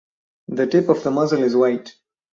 The tip of the muzzle is white.